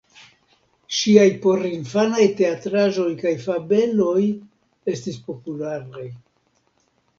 Ŝiaj porinfanaj teatraĵoj kaj fabeloj estis popularaj.